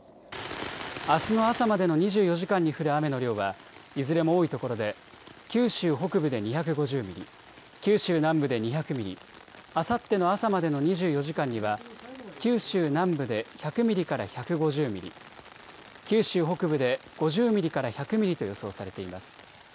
あすの朝までの２４時間に降る雨の量はいずれも多いところで九州北部で２５０ミリ、九州南部で２００ミリ、あさっての朝までの２４時間には九州南部で１００ミリから１５０ミリ、九州北部で５０ミリから１００ミリと予想されています。